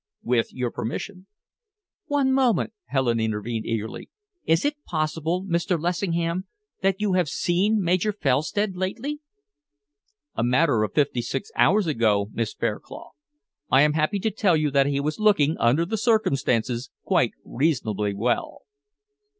"With your permission." "One moment," Helen intervened eagerly. "Is it possible, Mr. Lessingham, that you have seen Major Felstead lately?" "A matter of fifty six hours ago, Miss Fairclough. I am happy to tell you that he was looking, under the circumstances, quite reasonably well."